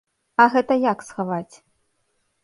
А гэта як схаваць?